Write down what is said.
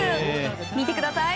見てください。